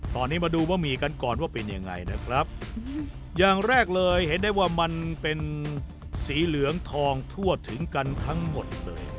ตอนนี้มาดูบะหมี่กันก่อนว่าเป็นยังไงนะครับอย่างแรกเลยเห็นได้ว่ามันเป็นสีเหลืองทองทั่วถึงกันทั้งหมดเลย